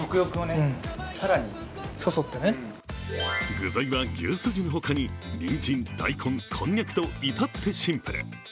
具材は牛すじのほかに、にんじん、大根、こんにゃくと、至ってシンプル。